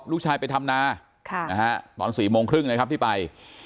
ลูกชายไปทำนาตอน๔โมงครึ่งนะครับที่ไป